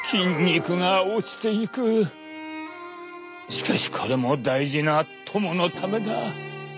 「しかしこれも大事な友のためだ。